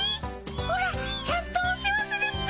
オラちゃんとお世話するっピ。